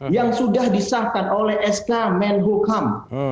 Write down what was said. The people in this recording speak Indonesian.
yang sudah disahkan oleh sk menbo kam